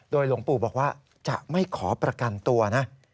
หลวงปู่บอกว่าจะไม่ขอประกันตัวนะ